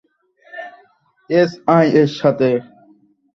SI এর সাথে কথা হয়েছে তো, তাই না?